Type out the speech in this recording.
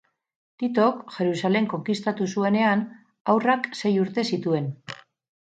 Titok Jerusalem konkistatu zuenean, haurrak sei urte zituen.